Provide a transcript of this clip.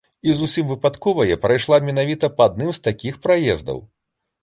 І зусім выпадкова я прайшла менавіта па адным з такіх праездаў.